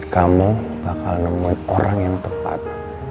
kamu bakal nemuin orang yang tepat